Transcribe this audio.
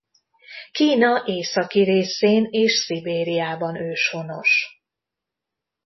Kína északi részén és Szibériában őshonos.